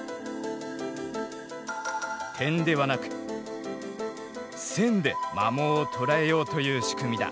点ではなく「線」で摩耗を捉えようという仕組みだ。